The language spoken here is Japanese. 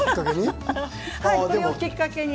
これをきっかけに？